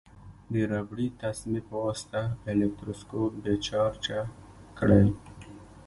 د ربړي تسمې په واسطه الکتروسکوپ بې چارجه کړئ.